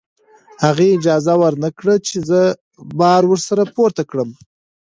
هغې اجازه ورنکړه چې زه بار ورسره پورته کړم.